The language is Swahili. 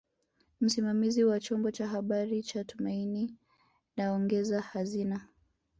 Msimamizi wa chombo cha habari cha Tumaini na ongeza hazina